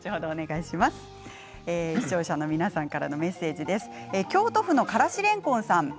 視聴者の皆さんからのメッセージ、京都府の方です。